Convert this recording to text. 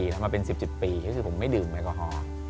ก็คือผมไม่ดื่มแอมกอฮอล์